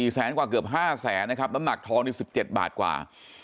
แสนกว่าเกือบ๕แสนนะครับน้ำหนักทองนี่๑๗บาทกว่า